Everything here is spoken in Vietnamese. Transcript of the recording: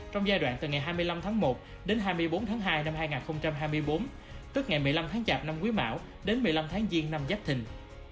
trong giai đoạn từ ngày hai mươi năm tháng một đến hai mươi bốn tháng hai năm hai nghìn hai mươi bốn tức ngày một mươi năm tháng chạp năm quý mão đến một mươi năm tháng giêng năm giáp thình